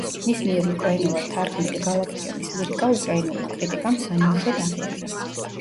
მის მიერ უკრაინულად თარგმნილი გალაკტიონის ლირიკა უკრაინულმა კრიტიკამ სანიმუშოდ აღიარა.